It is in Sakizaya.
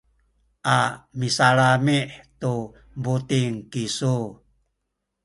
a misalami’ tu buting kisu.